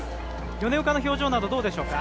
米岡の表情などどうでしょうか？